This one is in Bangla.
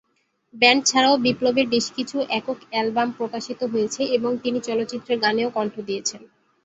ব্যান্ড ছাড়াও বিপ্লবের বেশকিছু একক অ্যালবাম প্রকাশিত হয়েছে এবং তিনি চলচ্চিত্রের গানেও কণ্ঠ দিয়েছেন।